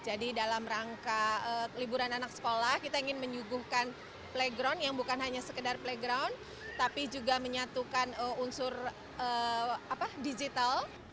jadi dalam rangka liburan anak sekolah kita ingin menyuguhkan playground yang bukan hanya sekedar playground tapi juga menyatukan unsur digital